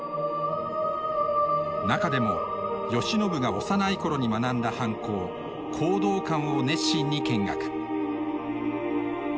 中でも慶喜が幼い頃に学んだ藩校弘道館を熱心に見学。